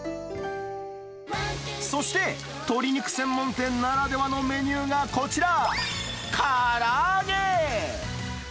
そして、鶏肉専門店ならではのメニューがこちら、から揚げ。